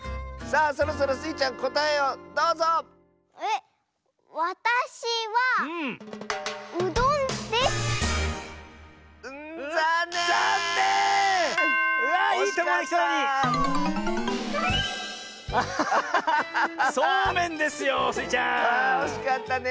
ああおしかったね。